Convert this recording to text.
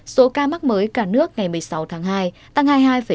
số ca mắc mới cả nước ngày một mươi sáu tháng hai tăng hai mươi hai ba